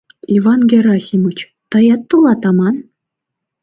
Иван Герасимыч, тыят толат аман?